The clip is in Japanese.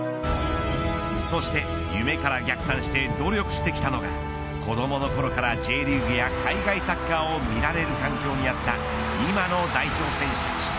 そして夢から逆算して努力してきたのが子どものころからＪリーグや海外サッカーを見られる環境にあった今の代表選手たち。